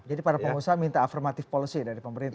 jadi para pengusaha minta affirmative policy dari pemerintah